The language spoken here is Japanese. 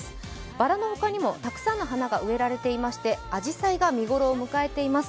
ばらのほかにもたくさんの花が植えられていましてあじさいが見頃を迎えています。